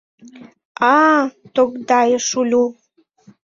А-а, — тогдайыш Улю.